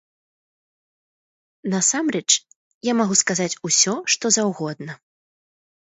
Насамрэч, я магу сказаць усё, што заўгодна.